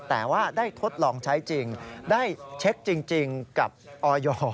แต่ว่าได้ทดลองใช้จริงได้เช็คจริงกับออย